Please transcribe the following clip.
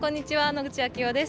野口啓代です。